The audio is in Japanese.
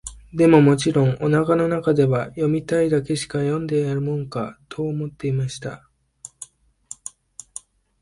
でも、もちろん、お腹の中では、読みたいだけしか読んでやるもんか、と思っていました。